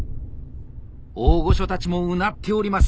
大御所たちもうなっております。